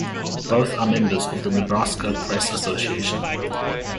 Both are members of the Nebraska Press Association.